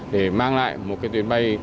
để mang lại một chuyến bay